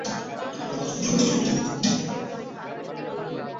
ভারতের হ্যাকাররা মূল কোডটিতে কিছু পরিবর্তন এনে ফেসবুক লাইক বাড়ানোর কাজেও লাগাচ্ছে।